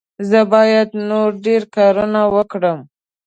زه باید نور ډېر کارونه وکړم.